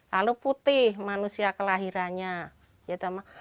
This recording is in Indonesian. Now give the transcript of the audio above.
lalu putih manusia kelahirannya